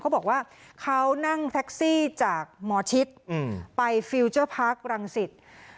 เขาบอกว่าเขานั่งแท็กซี่จากมชิตไปฟิลเจอร์พาร์ครังสิต